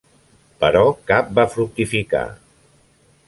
Però cap va fructificar.